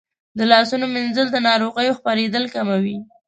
د لاسونو مینځل د ناروغیو خپرېدل کموي.